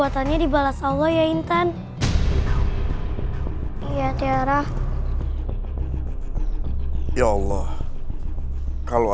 terima kasih pu